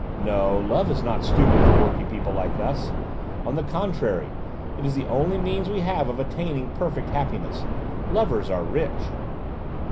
No: love is not stupid for working people like us; on the contrary, it is the only means we have of attaining perfect happiness. Lovers are rich!"